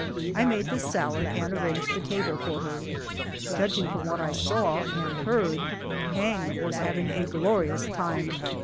I made the salad and arranged the table for her. Judging from what I saw and heard, Hang was having a glorious time.